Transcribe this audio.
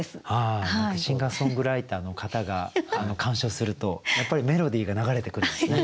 シンガーソングライターの方が鑑賞するとやっぱりメロディーが流れてくるんですね。